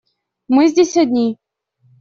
Мы здесь одни.